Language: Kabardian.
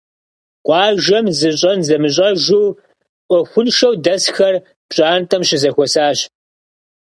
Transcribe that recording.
Къуажэм зыщӀэн зымыщӀэжу, Ӏуэхуншэу дэсхэр пщӀантӀэм щызэхуэсащ.